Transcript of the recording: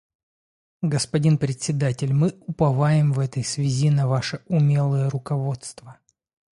Господин Председатель, мы уповаем в этой связи на ваше умелое руководство.